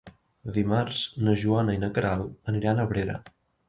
Dimarts na Joana i na Queralt aniran a Abrera.